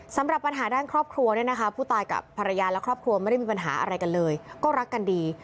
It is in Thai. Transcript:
สำหรับปัญหาด้านครอบครัวเนี่ยนะคะผู้ตายกับภรรยาและครอบครัวไม่ได้มีปัญหาอะไรกันเลยก็รักกันดี